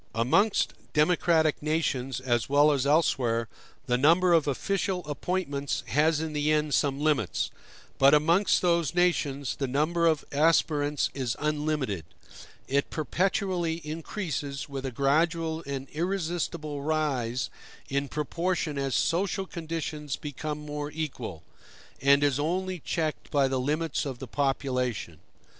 Amongst democratic nations, as well as elsewhere, the number of official appointments has in the end some limits; but amongst those nations, the number of aspirants is unlimited; it perpetually increases, with a gradual and irresistible rise in proportion as social conditions become more equal, and is only checked by the limits of the population.